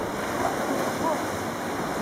Lbu.